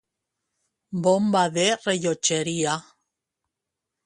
Bomba de rellotgeria.